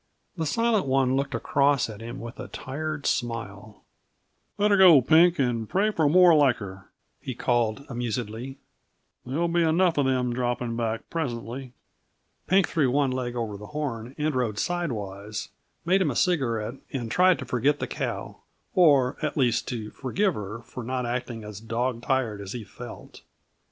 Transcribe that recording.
The Silent One looked across at him with a tired smile. "Let her go, Pink, and pray for more like her," he called amusedly. "There'll be enough of them dropping back presently." Pink threw one leg over the horn and rode sidewise, made him a cigarette, and tried to forget the cow or, at least, to forgive her for not acting as dog tired as he felt.